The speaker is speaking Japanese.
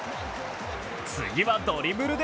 次はドリブルで